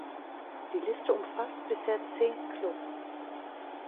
Die Liste umfasst bisher zehn Clubs.